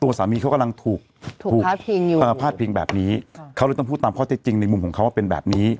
ตัวสามีเขากำลังถูกพาดพิงอยู่พาดพิงแบบนี้เขาเลยต้องพูดตามข้อเท็จจริงในมุมของเขาว่าเป็นแบบนี้